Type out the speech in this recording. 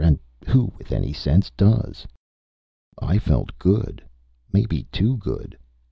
And who, with any sense does?" I felt good maybe too good.